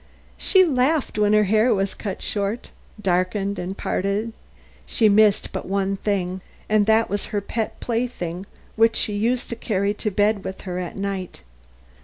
She laughed when her hair was cut short, darkened and parted. She missed but one thing, and that was her pet plaything which she used to carry to bed with her at night.